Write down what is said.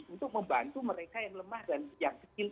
untuk membantu mereka yang lemah dan yang kecil